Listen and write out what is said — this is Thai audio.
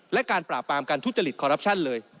และการปราบปรามการทุจริตคอรัปชั่นเลย